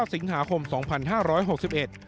สิงหาคมสองพันห้าร้อยหกสิบเอ็ด